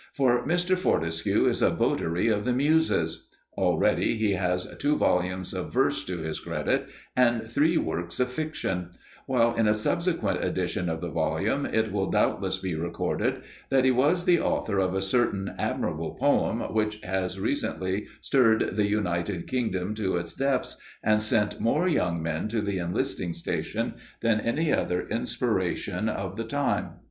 For Mr. Fortescue is a votary of the Muses. Already he has two volumes of verse to his credit and three works of fiction; while in a subsequent edition of the volume, it will doubtless be recorded that he was the author of a certain admirable poem which has recently stirred the United Kingdom to its depths and sent more young men to the enlisting stations than any other inspiration of the time.